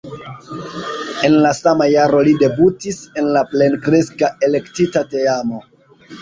En la sama jaro li debutis en la plenkreska elektita teamo.